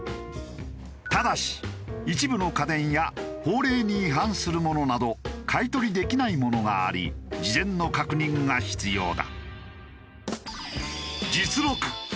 ただし一部の家電や法令に違反するものなど買い取りできないものがあり事前の確認が必要だ。